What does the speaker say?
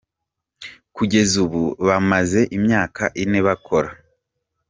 Kugeza ubu bamaze imyaka ine bakora.